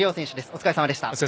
お疲れ様でした。